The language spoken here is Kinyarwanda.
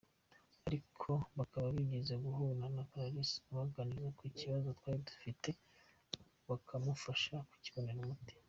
Ariko bakaba barigeze guhura na Clarisse abaganiriza ku kibazo twari dufite bakamufasha kukibonera umuti.